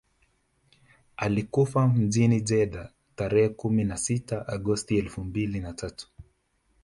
Alikufa mjini Jeddah tarehe kumi na sita Agosti elfu mbili na tatu